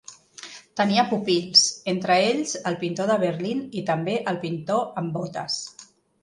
Tenia pupils, entre ells el pintor de Berlín i també el pintor amb botes.